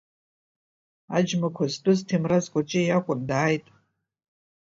Аџьмақәа зтәыз Ҭемраз Кәарҷиа иакәын, дааит…